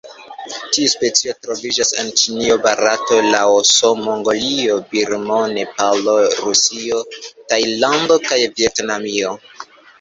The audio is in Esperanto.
Tiu specio troviĝas en Ĉinio, Barato, Laoso, Mongolio, Birmo, Nepalo, Rusio, Tajlando kaj Vjetnamio.